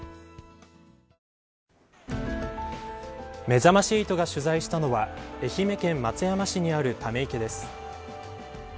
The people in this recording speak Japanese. めざまし８が取材したのは愛媛県松山市にあるため池です。